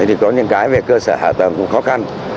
thì có những cái về cơ sở hạ tầng cũng khó khăn